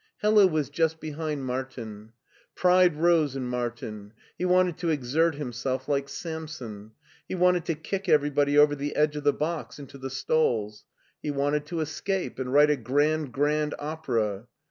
Hella was just behind Martin* Pride rose in Martin. He wanted to exert himself like Samson. He wanted to kick everybody over the edge of the box into the stalls. He wanted to escape and write a grand grand opera.